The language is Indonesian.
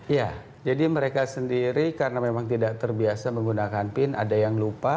ya jadi mereka sendiri karena memang tidak terbiasa menggunakan pin ada yang lupa